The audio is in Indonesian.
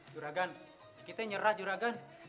jura gan kita nyerah jura gan